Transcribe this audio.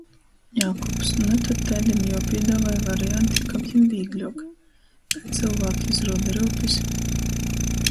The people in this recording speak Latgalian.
Jākubs: Nu tod taidim juopīduovoj varianti, kab jim vīgļuok... Kai cylvāki izruoda ryupis?